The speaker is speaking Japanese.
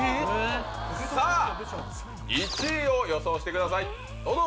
さぁ１位を予想してくださいどうぞ！